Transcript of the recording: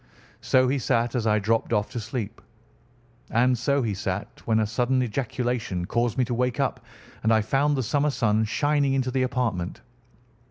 So he sat as I dropped off to sleep, and so he sat when a sudden ejaculation caused me to wake up, and I found the summer sun shining into the apartment.